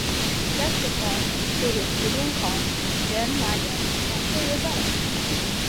Guests so far have included Gideon Conn, Dan Mangan, Hey Rosetta!